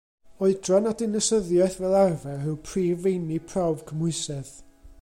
Oedran a dinasyddiaeth, fel arfer, yw'r prif feini prawf cymhwysedd.